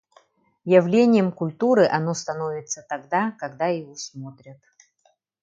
Явлением культуры оно становится тогда, когда его смотрят.